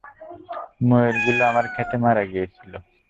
ময়ূরগুলো আমার ক্ষেতে মারা গিয়েছিল।